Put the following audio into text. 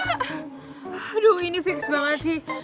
aduh ini fix banget sih